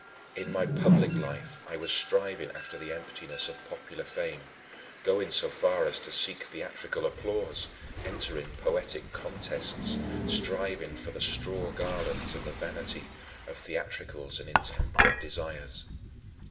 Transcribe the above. In my public life I was striving after the emptiness of popular fame, going so far as to seek theatrical applause, entering poetic contests, striving for the straw garlands and the vanity of theatricals and intemperate desires.